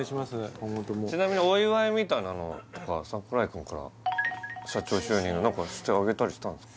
今後ともちなみにお祝いみたいなのとか櫻井くんから社長就任の何かしてあげたりしたんすか？